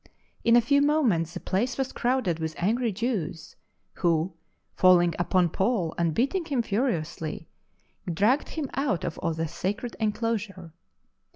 In a few moments the place was crowded wdth angry Jews, who, falling upon Paul and beat ing him furiously, dragged him out of the sacred enclosure.